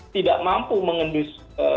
tidak mampu mengendus